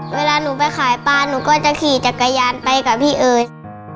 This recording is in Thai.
เวลาหนูไปขายปลาหนูก็จะขี่จักรยานไปกับพี่เอิส